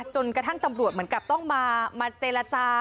จนกระทั่งตำรวจเหมือนกับต้องมาเจรจา